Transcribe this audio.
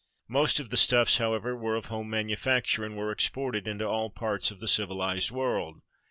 Most of ,the stuffs, however, were of home manufacture, and were exported into all parts of the civiHzed world.